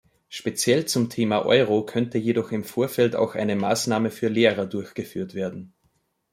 Speziell zum Thema Euro könnte jedoch im Vorfeld auch eine Maßnahme für Lehrer durchgeführt werden.